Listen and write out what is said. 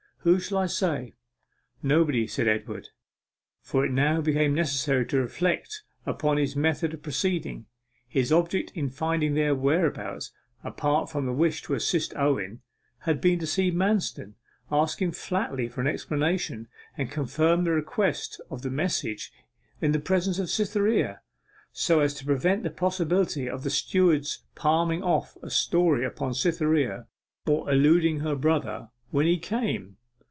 Who shall I say?' 'Nobody,' said Edward. For it now became necessary to reflect upon his method of proceeding. His object in finding their whereabouts apart from the wish to assist Owen had been to see Manston, ask him flatly for an explanation, and confirm the request of the message in the presence of Cytherea so as to prevent the possibility of the steward's palming off a story upon Cytherea, or eluding her brother when he came.